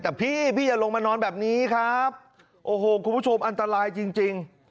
แต่พี่พี่อย่าลงมานอนแบบนี้ครับโอ้โหคุณผู้ชมอันตรายจริงจริง